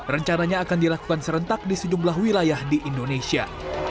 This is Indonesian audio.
rencananya akan dilakukan serentak di sejumlah wilayah di indonesia